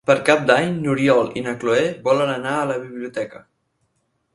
Per Cap d'Any n'Oriol i na Cloè volen anar a la biblioteca.